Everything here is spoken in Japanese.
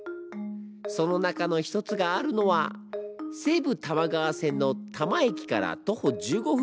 その中の一つがあるのは西武多摩川線の多磨駅から徒歩１５分